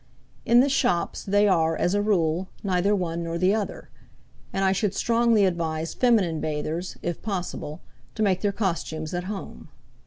In the shops they are, as a rule, neither one nor the other; and I should strongly advise feminine bathers, if possible, to make their costumes at home.